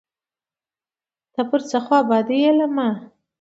ته پر څه خوابدی یې له ما